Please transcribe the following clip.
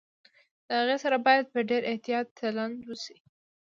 د هغې سره باید په ډېر احتياط چلند وشي